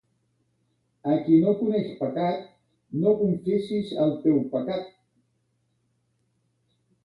A qui no coneix pecat, no confesses el teu pecat.